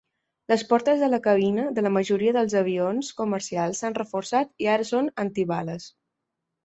Les portes de la cabina de la majoria dels avions comercials s'han reforçat i ara són antibales.